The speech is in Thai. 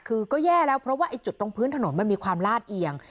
คือก็แย่แล้วเพราะว่าไอ้จุดตรงพื้นถนนมันมีความลาดเอียง